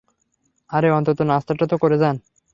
আরে, অন্তত নাস্তাটা তো করে যান।